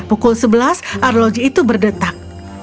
pukul sebelas arloji itu berdetak